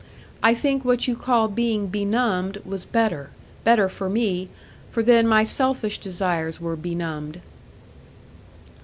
I think what you call being benumbed was better—better for me—for then my selfish desires were benumbed."